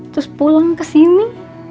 terus pulang kesini